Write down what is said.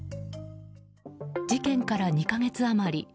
事件から２か月余り。